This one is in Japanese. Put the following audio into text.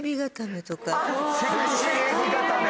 セクシーエビ固め。